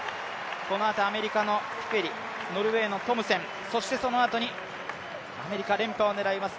このあとアメリカのピペリ、ノルウェーのトムセン、そしてそのあとにアメリカ、連覇を狙います